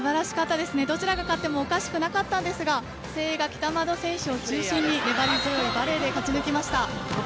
どちらが勝ってもおかしくなかったんですが誠英が北窓選手を中心に粘り強いバレーで勝ち抜きました。